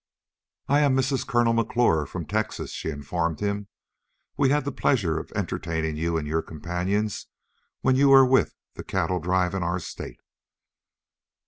"I am Mrs. Colonel McClure from Texas," she informed him. "We had the pleasure of entertaining you and your companions when you were with the cattle drive in our state."